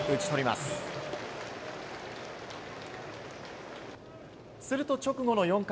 すると直後の４回。